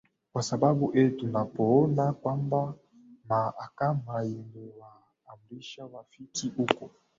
kwa sababu ee tunapoona kwamba mahakama imewaamrisha wafike huko